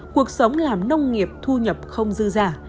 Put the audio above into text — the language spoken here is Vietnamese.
cuộc sống làm nông nghiệp thu nhập không dư giả